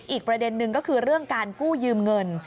อีกประเด็นนึงก็คือเรื่องการกู้ยืมเงิน